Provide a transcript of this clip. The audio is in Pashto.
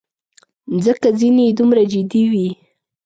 ځکه ځینې یې دومره جدي وې.